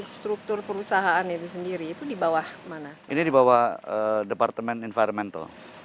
seberapa besar departemen itu